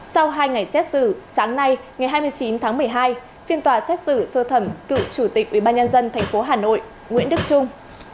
sau hai ngày xét xử sáng nay ngày hai mươi chín tháng một mươi hai phiên tòa xét xử sơ thẩm cựu chủ tịch ubnd tp hà nội nguyễn đức trung